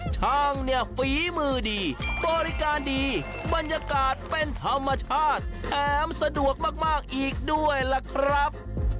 ช่างเนี่ยฝีมือดีบริการดีบรรยากาศเป็นธรรมชาติแถมสะดวกมากอีกด้วยล่ะครับ